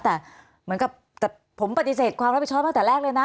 แต่เหมือนกับแต่ผมปฏิเสธความรับผิดชอบตั้งแต่แรกเลยนะ